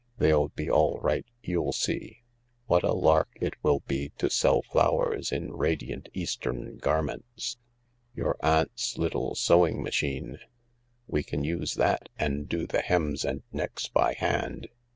They'll be all right, you'll see. What a lark it will be to sell flowers in radiant Eastern garments! Your aunt's little sewing machine. We can use that and do the hems and necks by hand.